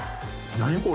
何これ！